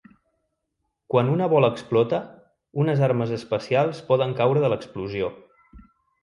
Quan una bola explota, unes armes especials poden caure de l'explosió.